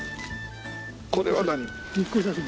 これは何？